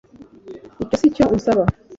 icyo si cyo unsaba